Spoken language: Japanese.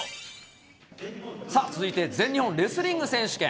さあ、続いて、全日本レスリング選手権。